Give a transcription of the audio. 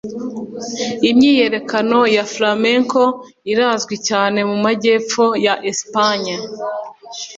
imyiyerekano ya flamenco irazwi cyane mu majyepfo ya espagne.